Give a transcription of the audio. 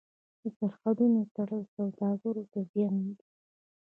د سرحدونو تړل سوداګر ته زیان دی.